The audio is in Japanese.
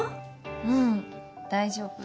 うん大丈夫。